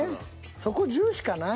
そこ重視かな。